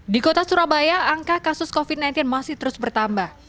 di kota surabaya angka kasus covid sembilan belas masih terus bertambah